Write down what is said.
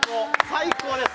最高です